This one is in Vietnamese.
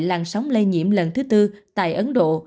làn sóng lây nhiễm lần thứ tư tại ấn độ